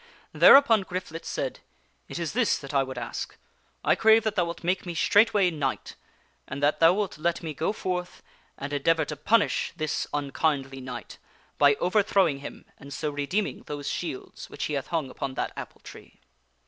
Thereupon Griflet said, " It is this that I would ask I crave that thou wilt make me straightway knight, and that thou wilt let me go forth and endeavor to punish this unkindly knight, by overthrowing him, and so redeeming those shields which he hath hung upon that apple tree."